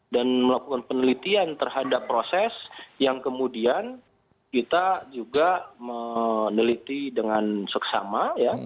dan melakukan penelitian terhadap proses yang kemudian kita juga meneliti dengan seksama